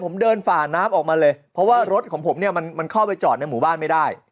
ผมเดินฝ่าน้ำออกมาเลยเพราะว่ารถของผมเนี่ยมันเข้าไปจอดในหมู่บ้านไม่ได้